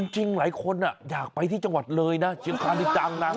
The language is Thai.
จริงหลายคนอยากไปที่จังหวัดเลยนะเชียงคานี่จังนะ